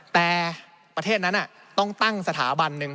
แต่ประเทศนั้นต้องตั้งสถาบันหนึ่ง